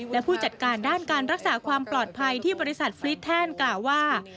และผู้จัดการด้านการรักษาความปลอดภัยที่บริษัทฟรีดแทนกล่าวว่า